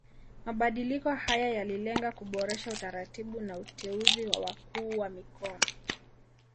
Mabadiliko haya yalilenga kuboresha utaratibu wa uteuzi wa wakuu wa mikoa